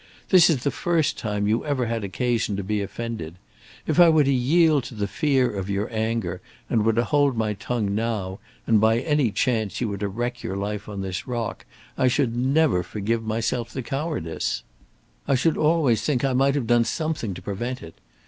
This is the first time you ever had occasion to be offended. If I were to yield to the fear of your anger and were to hold my tongue now, and by any chance you were to wreck your life on this rock, I should never forgive myself the cowardice. I should always think I might have done something to prevent it.